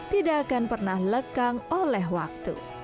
tidak akan pernah lekang oleh waktu